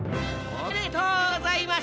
おめでとうございます！